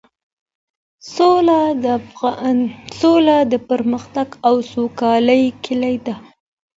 سوله د پرمختګ او سوکالۍ کيلي ده.